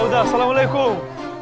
ya udah assalamualaikum